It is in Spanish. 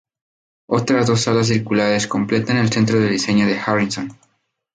Otras dos salas circulares completan el centro del diseño de Harrison.